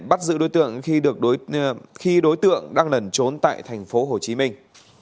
bắt giữ đối tượng khi đối tượng đang lẩn trốn tại thành phố hồ chí minh